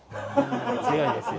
強いですよ。